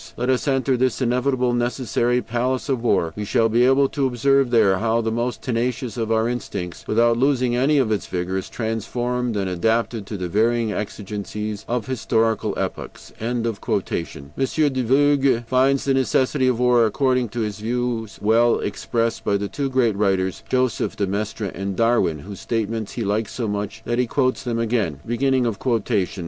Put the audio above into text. Let us enter this inevitable, necessary palace of war; we shall be able to observe there how the most tenacious of our instincts, without losing any of its vigor, is transformed and adapted to the varying exigencies of historical epochs." M. de Vogüé finds the necessity for war, according to his views, well expressed by the two great writers, Joseph de Maistre and Darwin, whose statements he likes so much that he quotes them again.